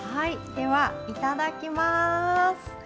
ではいただきます。